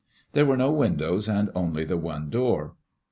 There were no windows, and only the one door.